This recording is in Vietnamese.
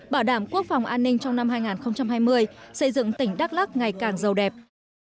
bảo đảm quốc phòng an ninh trong năm hai nghìn hai mươi xây dựng tỉnh đắk lắc ngày càng giàu đẹp